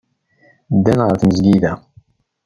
Ddant ɣer tmesgida.